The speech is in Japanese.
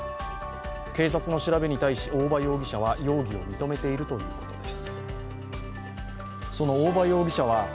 警察の調べに対し、大場容疑者は容疑を認めているということです